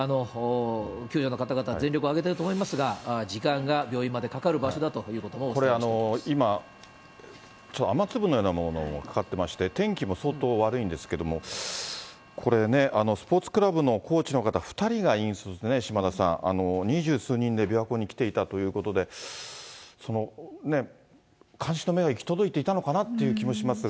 救助の方々、全力を挙げてると思いますが、時間が病院までかかる場所だということもお伝えしてお今、ちょっと雨粒のようなものもかかってまして、天気も相当悪いんですけれども、これね、スポーツクラブのコーチの方、２人が引率ね、島田さん、二十数人で琵琶湖に来ていたということで、そのね、監視の目が行き届いていたのかなという気もしますが。